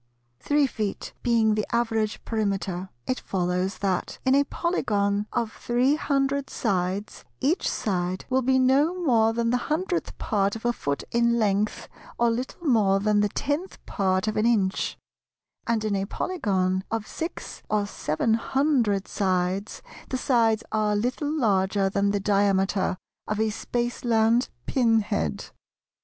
Three feet being the average Perimeter it follows that, in a Polygon of three hundred sides each side will be no more than the hundredth part of a foot in length, or little more than the tenth part of an inch; and in a Polygon of six or seven hundred sides the sides are little larger than the diameter of a Spaceland pin head.